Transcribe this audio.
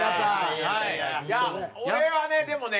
いや俺はねでもね